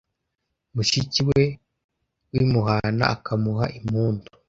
mushíki wé w ímuhana akamuha impundu